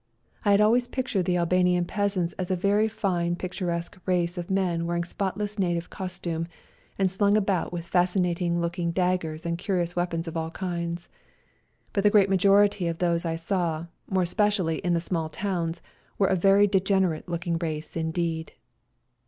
I had always pictured the Albanian peasants as a very fine picturesque race of men wearing spotless native costume, and slung about with fascinating looking daggers and curious weapons of all kinds, but the great majority of those I saw, more especially in the small towns, were a very degenerate looking race indeed.